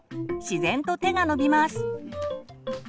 自然と手が伸びます。